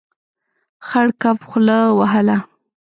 خړ کب خوله وهله.